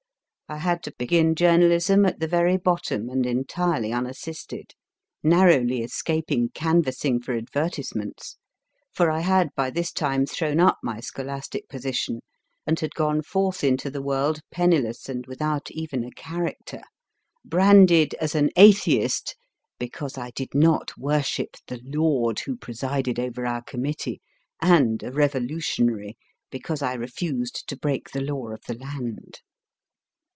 I had to begin journalism at the very bottom and entirely unassisted, narrowly escaping canvassing for advertisements, for I had by this time thrown up my scholastic position, and had gone forth into the world penniless and without even a character, branded as an Atheist (because I did not worship the Lord who presided over our committee) WE SENT IT ROUND 176 MY FIRST BOOK and a Revolutionary (because I refused to break the law of the land).